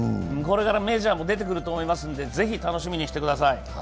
これからメジャーも出てくると思いますので、楽しみにしていてください。